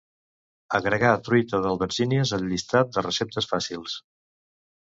Agregar truita d'albergínies al llistat de receptes fàcils.